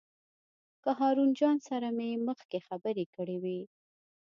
له هارون جان سره مې مخکې خبرې کړې وې.